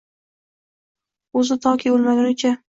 Oʼzi toki oʼlmaguncha…